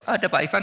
ada pak ivan